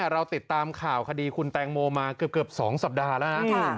เราติดตามข่าวคดีคุณแตงโมมาเกือบ๒สัปดาห์แล้วนะ